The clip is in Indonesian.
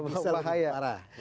bisa lebih parah